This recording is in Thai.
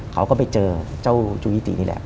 เขาก็ไปเจอเจ้าจูยิตินี่แหละ